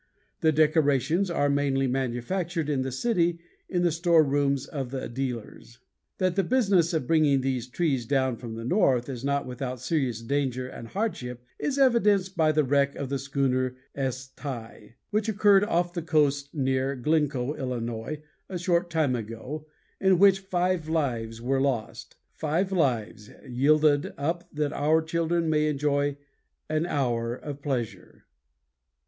The decorations are mainly manufactured in the city in the store rooms of the dealers. That the business of bringing these trees down from the north is not without serious danger and hardship is evidenced by the wreck of the schooner S. Thal, which occurred off the coast near Glencoe, Ill., a short time ago, in which five lives were lost. Five lives yielded up that our children may enjoy an hour of pleasure!